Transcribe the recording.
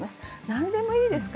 何でもいいです。